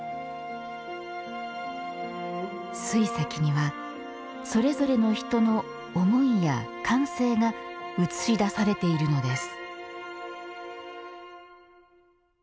水石にはそれぞれの人の思いや感性が映し出されているのです。